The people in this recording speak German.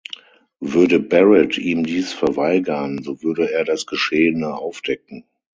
Würde Barret ihm dies verweigern, so würde er das Geschehene aufdecken.